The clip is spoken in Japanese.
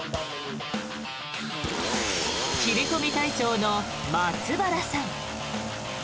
切り込み隊長の松原さん。